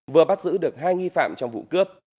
vừa bắt giữ được hai nghi phạm trong vụ cướp